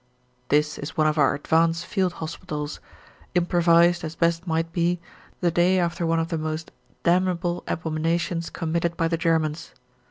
This is one of our advance field hospitals, improvised, as best might be, the day after one the most damnable abominations committed by the Germans.